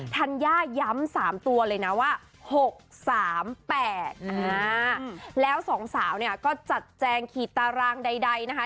ธัญญาย้ำสามตัวเลยน่ะว่าหกสามแปดอ่าแล้วสองสาวเนี่ยก็จัดแจงขีดตารางใดใดนะคะ